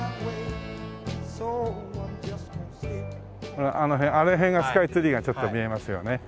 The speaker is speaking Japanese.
ほらあの辺あの辺がスカイツリーがちょっと見えますよね。